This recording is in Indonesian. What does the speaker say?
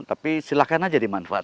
tapi silakan saja dimanfaatkan